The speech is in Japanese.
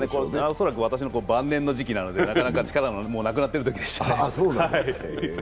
恐らく私の晩年の時期なので、なかなか力もなくなってる時期でしたね。